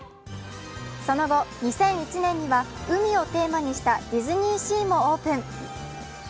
その後、２００１年には海をテーマにしたディズニーシーもオープン。